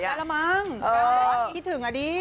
แซวร้อนคิดถึงอ่ะดิ